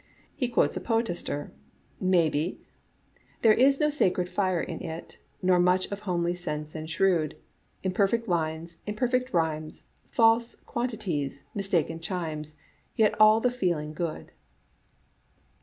He quotes a poetaster, may be — •There is no sacred fire in it, Nor much of homely sense and shrewd. Imperfect lines, imperfect rhymes, False quantities, mistaken chimes, Yet all the feeling good.